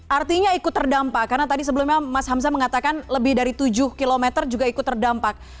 artinya ikut terdampak karena tadi sebelumnya mas hamzah mengatakan lebih dari tujuh km juga ikut terdampak